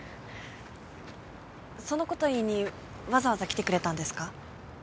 そのこと言いにわざわざ来てくれたんですか？